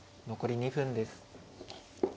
残り２分です。